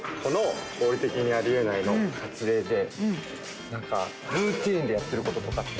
「『合理的にあり得ない』の撮影で何かルーティンでやってることとかって」